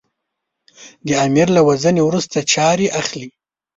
د امیر له وژنې وروسته چارې اخلي.